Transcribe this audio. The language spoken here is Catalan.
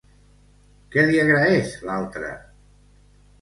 Què li agraeix l'altre?